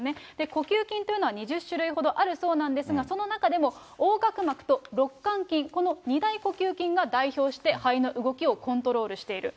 呼吸筋というのは２０種類ほどあるそうなんですが、その中でも横隔膜と肋間筋、この２大呼吸筋が代表して、肺の動きをコントロールしている。